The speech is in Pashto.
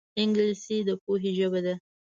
انګلیسي د پوهې ژبه ده